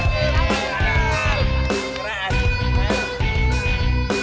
gue yang penting